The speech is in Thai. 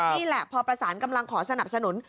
นี่แหละพอประสานกำลังขอสนับสนุน